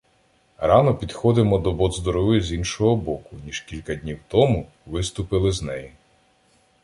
Рано підходимо до Боцдурової з іншого боку, ніж кілька днів тому виступили з неї.